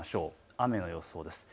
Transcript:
雨の予想です。